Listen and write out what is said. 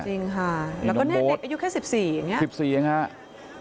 จริงค่ะแล้วก็เนี่ยเด็กอายุแค่สิบสี่อย่างเงี้ยสิบสี่อย่างเงี้ย